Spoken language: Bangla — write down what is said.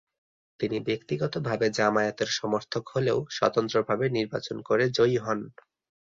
তিনি ব্যক্তিগত ভাবে জামায়াতের সমর্থক হলেও স্বতন্ত্র ভাবে নির্বাচন করে জয়ী হন।